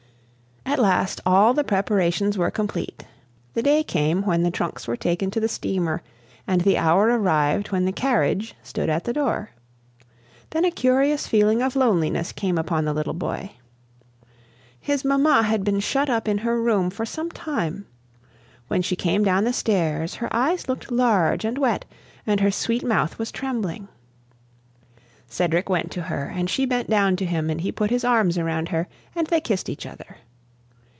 At last all the preparations were complete; the day came when the trunks were taken to the steamer, and the hour arrived when the carriage stood at the door. Then a curious feeling of loneliness came upon the little boy. His mamma had been shut up in her room for some time; when she came down the stairs, her eyes looked large and wet, and her sweet mouth was trembling. Cedric went to her, and she bent down to him, and he put his arms around her, and they kissed each other.